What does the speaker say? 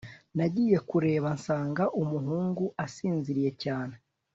Nagiye kureba nsanga umuhungu asinziriye cyane